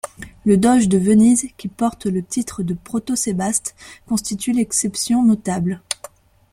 Le doge de Venise, qui porte le titre de protosébaste, constitue l'exception notable.